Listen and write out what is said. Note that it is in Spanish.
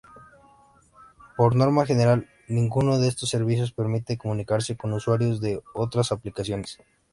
Por norma general ninguno de estos servicios permite comunicarse con usuarios de otras aplicaciones.